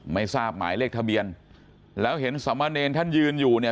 ไม่ทราบหมายเลขทะเบียนแล้วเห็นสามเณรท่านยืนอยู่เนี่ย